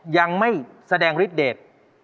ยังไม่แสดงฤทธเดท